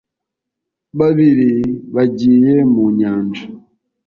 babiri bagiye mu nyanja.